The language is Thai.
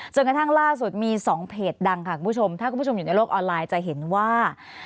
กระทั่งล่าสุดมี๒เพจดังค่ะคุณผู้ชมถ้าคุณผู้ชมอยู่ในโลกออนไลน์จะเห็นว่า